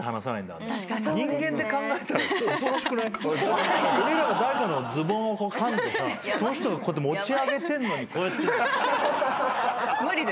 俺らが誰かのズボンをかんでさその人が持ち上げてんのにこうやってんの。